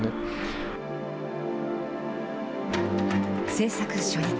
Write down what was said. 製作初日。